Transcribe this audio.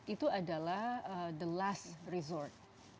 itu adalah the last resort